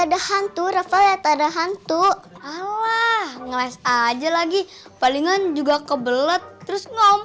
ada hantu rafa lihat ada hantu allah ngeles aja lagi palingan juga kebelet terus ngomong